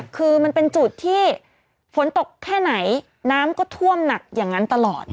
คือมันเป็นจุดที่ฝนตกแค่ไหนน้ำก็ท่วมหนักอย่างนั้นตลอด